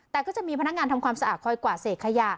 แต่ก็จะมีพนักงานทำความสะอาดคอยกวาดเศษขยะ